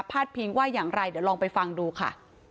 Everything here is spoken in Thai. ดพิงว่าอย่างไรเดี๋ยวลองไปฟังดูค่ะ